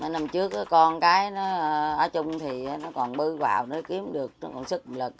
năm trước con cái nó ở chung thì nó còn bư vào nó kiếm được nó còn sức lực